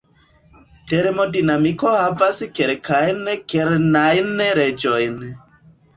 Termodinamiko havas kelkajn kernajn leĝojn.